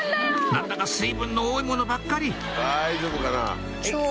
何だか水分の多いものばっかり大丈夫かな？